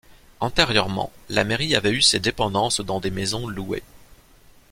Antérieurement la mairie avait eu ses dépendances dans des maisons louées.